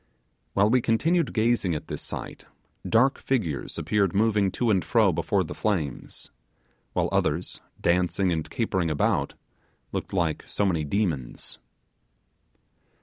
While we continued gazing at this sight, dark figures appeared moving to and fro before the flames; while others, dancing and capering about, looked like so many demons.